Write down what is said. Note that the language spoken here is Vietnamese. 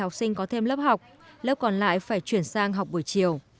học sinh có thêm lớp học lớp còn lại phải chuyển sang học buổi chiều